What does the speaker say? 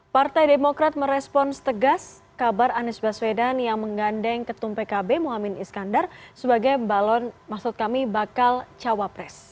partai demokrat merespons tegas kabar anies baswedan yang menggandeng ketum pkb muhammad iskandar sebagai balon maksud kami bakal cawapres